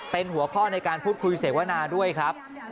เป็นหัวข้อในการพูดคุยเสวนาด้วยครับ